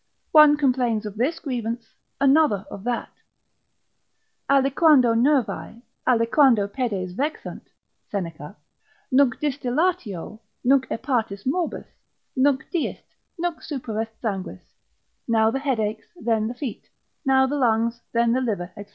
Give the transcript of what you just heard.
One complains of this grievance, another of that. Aliquando nervi, aliquando pedes vexant, (Seneca) nunc distillatio, nunc epatis morbus; nunc deest, nunc superest sanguis: now the head aches, then the feet, now the lungs, then the liver, &c.